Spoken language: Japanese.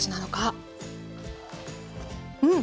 うん！